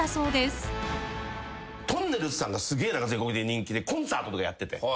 とんねるずさんがすげえ全国的に人気でコンサートとかやってて。